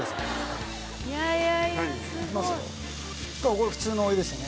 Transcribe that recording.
これ、普通のお湯ですよね。